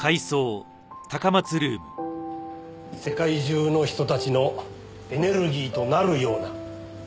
世界中の人たちのエネルギーとなるような。